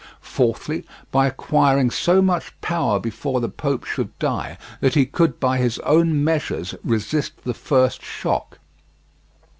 Fourthly, by acquiring so much power before the Pope should die that he could by his own measures resist the first shock.